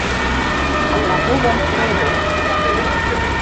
А каго вам трэба?